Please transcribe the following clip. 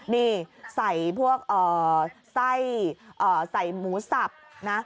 นี่ใส่พวกไส้ใส่หมูสับนะ